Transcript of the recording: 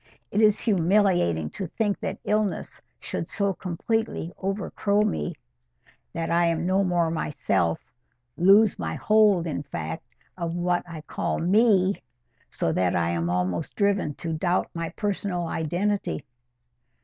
It is humiliating to think that illness should so completely 'overcrow' me, that I am no more myself—lose my hold, in fact, of what I call ME—so that I am almost driven to doubt my personal identity."